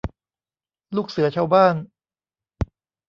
ลูกเสือชาวบ้าน